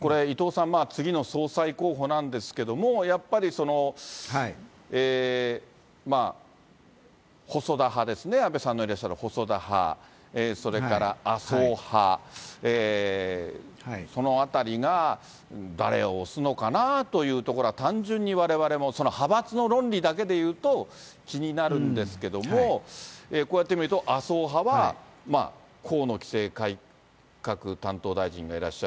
これ、伊藤さん、次の総裁候補なんですけれども、やっぱり細田派ですね、安倍さんのいらっしゃる細田派、それから麻生派、そのあたりが、誰を推すのかなというところは単純にわれわれも派閥の論理だけで言うと、気になるんですけども、こうやって見ると麻生派は、まあ、河野規制改革担当大臣がいらっしゃる。